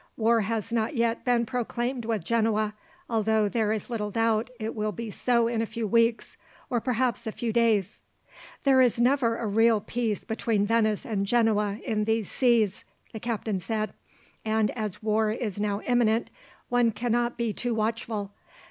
War has not yet been proclaimed with Genoa, although there is little doubt it will be so in a few weeks, or perhaps a few days." "There is never a real peace between Venice and Genoa in these seas," the captain said, "and as war is now imminent, one cannot be too watchful.